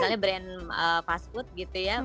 misalnya brand fast food gitu ya